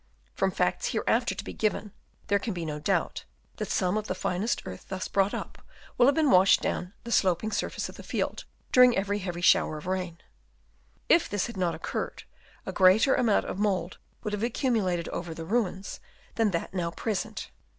From facts hereafter to be given there can be no doubt that some of the finest earth thus brought up will have been washed down the sloping surface of the field during every heavy shower of rain. If this had not occurred a greater amount of mould would have accumu lated over the ruins than that now present.